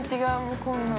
こんなん。